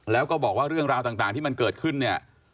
แล้วก็บอกว่าเรื่องราวต่างที่มันเกิดขึ้นเนี่ย